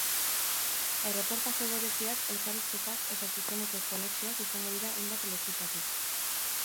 Erreportaje bereziak, elkarrizketak eta zuzeneko konexioak izango dira hainbat lekutatik.